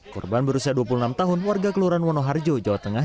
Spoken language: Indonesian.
korban berusia dua puluh enam tahun warga kelurahan wonoharjo jawa tengah